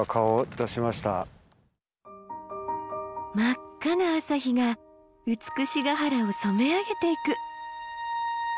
真っ赤な朝日が美ヶ原を染め上げていく。